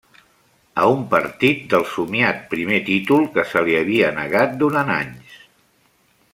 A un partit del somiat primer títol que se li havia negat durant anys.